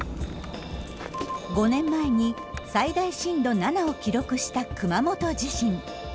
５年前に最大震度７を記録した熊本地震。